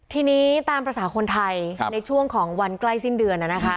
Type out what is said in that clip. ทีนี้ตามภาษาคนไทยในช่วงของวันใกล้สิ้นเดือน